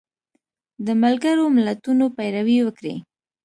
د ملګرو ملتونو پیروي وکړي